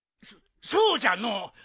そそうじゃのう。